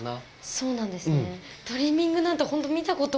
そうなんですね。